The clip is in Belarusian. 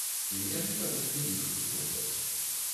І яны павінны іх выконваць.